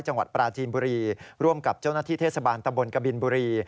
จังหวัดปราจีนบุรีร่วมกับเจ้าหน้าที่เทศบาลตะบนกบินบุรี